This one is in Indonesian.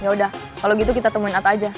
yaudah kalau gitu kita temuin atta aja